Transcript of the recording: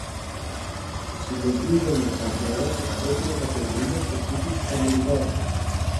Συλλογίζομαι, πατέρα, πως πρέπει να κατεβούμε στο σπίτι του Πανουργάκου